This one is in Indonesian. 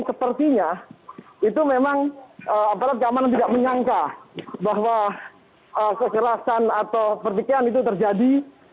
sepertinya itu memang aparat keamanan tidak menyangka bahwa kekerasan atau pertikaian itu terjadi